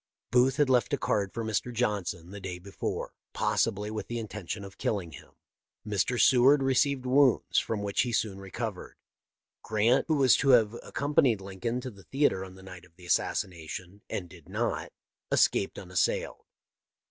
Booth had left a card for Mr. 574 THE LIFE OF LINCOLN. Johnson the day before, possibly with the intention of killing him. Mr. Seward received wounds, from which he soon recovered. Grant, who was to have accompanied Lincoln to the theatre on the night of the assassination, and did not, escaped unassailed.